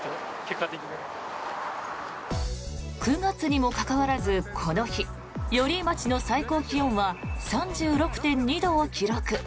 ９月にもかかわらずこの日、寄居町の最高気温は３６．２度を記録。